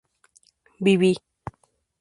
viví